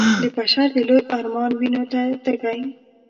د بشر د لوی ارمان وينو ته تږی